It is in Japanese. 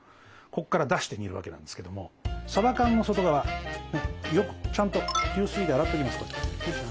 ここから出して煮るわけなんですけどもさば缶の外側ちゃんと流水で洗っときます。